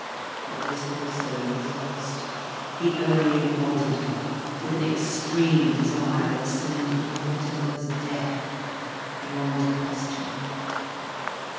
But this also was lost; he only wanted her, with an extreme desire that seemed inevitable as death, beyond question.